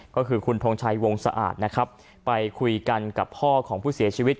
ก็คือคุณทงชัยวงสะอาดนะครับไปคุยกันกับพ่อของผู้เสียชีวิต